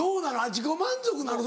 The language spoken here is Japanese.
自己満足なの？